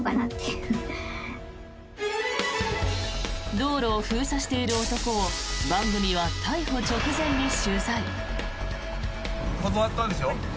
道路を封鎖している男を番組は逮捕直前に取材。